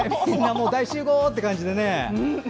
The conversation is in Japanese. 大集合って感じでね。